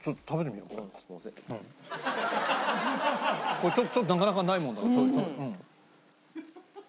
これちょっとなかなかないものだから。